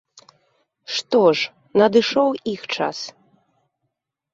Што ж, надышоў іх час.